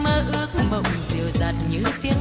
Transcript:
ai lên sứa hoa đào